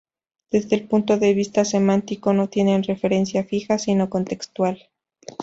Desde el punto de vista semántico no tienen referencia fija sino contextual.